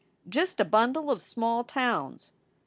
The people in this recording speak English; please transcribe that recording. just a bundle of small towns."